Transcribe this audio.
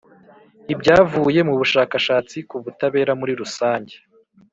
Ibyavuye mu bushakashatsi ku butabera muri rusange